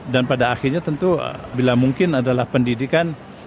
dan pada akhirnya tentu bila mungkin adalah pendidikan